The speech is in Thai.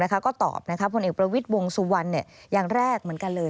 ก็ตอบผลเอกประวิทย์วงสุวรรณอย่างแรกเหมือนกันเลย